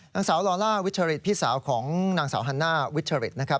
นางสาวลอล่าวิชริตพี่สาวของนางสาวฮันน่าวิชริตนะครับ